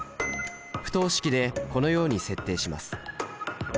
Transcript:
不等式でこのように設定します。